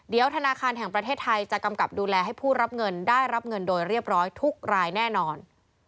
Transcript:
เดี๋ยวธนาคารแห่งประเทศไทยจะกำกับดูแลให้ผู้รับเงินได้รับเงินโดยเรียบร้อยทุกรายแน่นอน